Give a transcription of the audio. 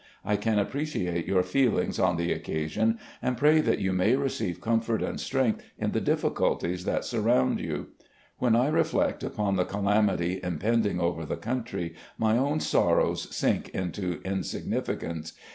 I can appreciate your feelings on the occa sion, and pray that you may receive comfort and strength in the difficulties that surround you. When I reflect upon the calamity impending over the country, my own sorrows sink into insignificance.